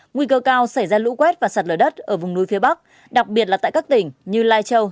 nguy cơ cao xảy ra lũ quét và sạt lở đất ở vùng núi phía bắc đặc biệt là tại các tỉnh như lai châu